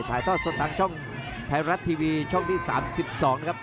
ถ่ายทอดสดทางช่องไทยรัฐทีวีช่องที่๓๒นะครับ